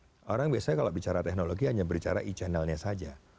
nah orang biasanya kalau bicara teknologi hanya berbicara e channelnya saja